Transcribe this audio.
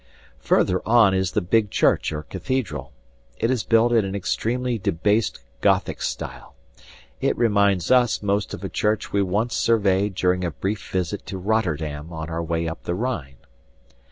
Further on is the big church or cathedral. It is built in an extremely debased Gothic style; it reminds us most of a church we once surveyed during a brief visit to Rotterdam on our way up the Rhine.